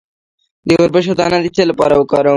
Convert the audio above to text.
د وربشو دانه د څه لپاره وکاروم؟